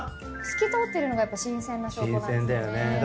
透き通ってるのがやっぱ新鮮な証拠なんですね。